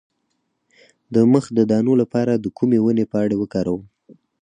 د مخ د دانو لپاره د کومې ونې پاڼې وکاروم؟